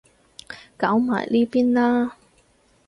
搞埋呢邊啦